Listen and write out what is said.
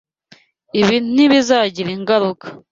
Ibi ntibizagira ingaruka.